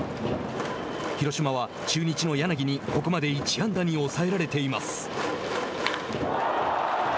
広島は、中日の柳にここまで１安打に抑えられています。